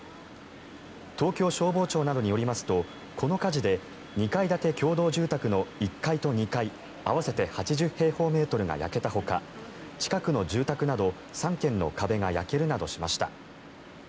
東京消防庁などによりますとこの火事で２階建て共同住宅の１階と２階合わせて８０平方メートルが焼けたほか近くの住宅など３軒の壁が焼けるなどしました。